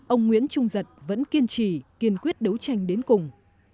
ông nguyễn trung giật vẫn kiên trì kiên quyết đấu tranh đến cùng